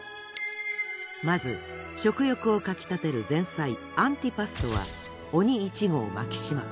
まず食欲をかき立てる前菜アンティパストは鬼１号牧島。